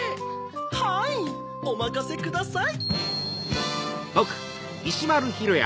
はいおまかせください。